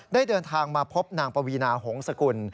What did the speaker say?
เดินทางมาพบนางปวีนาหงษกุล